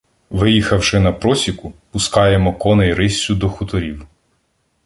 Виїхавши на просіку, пускаємо коней риссю до хуторів.